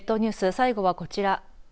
最後はこちら。